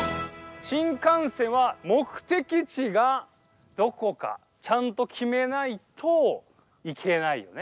⁉新幹線は目てき地がどこかちゃんときめないといけないよね。